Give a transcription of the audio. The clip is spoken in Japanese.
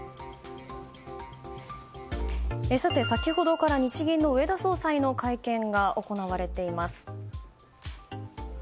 先ほどから日銀の植田総裁の会見が行われています。